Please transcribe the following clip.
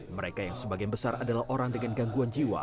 mereka yang sebagian besar adalah orang dengan gangguan jiwa